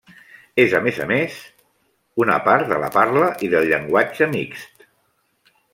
És, a més a més, una part de la parla i del llenguatge mixt.